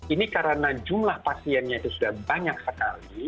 ini karena jumlah pasiennya itu sudah banyak sekali